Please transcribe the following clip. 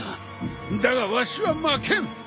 だがわしは負けん！